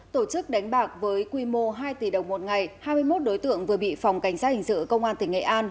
tổ chức đánh bạc với quy mô hai tỷ đồng một ngày hai mươi một đối tượng vừa bị phòng cảnh sát hình sự công an tỉnh nghệ an